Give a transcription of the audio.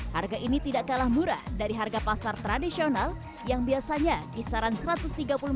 harga ini tidak kalah murah dari harga pasar tradisional yang biasanya kisaran rp satu ratus tiga puluh